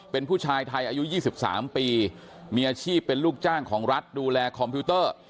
เป็นผู้ชายไทยอายุ๒๓ปีมีอาชีพเป็นลูกจ้างของรัฐดูแลคอมพิวเตอร์